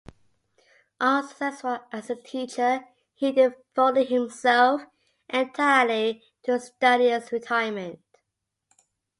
Unsuccessful as a teacher, he devoted himself entirely to studious retirement.